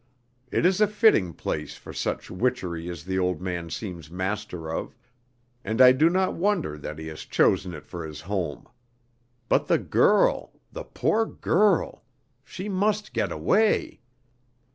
It is a fitting place for such witchery as the old man seems master of, and I do not wonder that he has chosen it for his home; but the girl the poor girl! she must get away!"